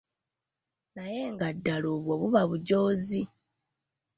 Naye nga ddala obwo buba bujoozi?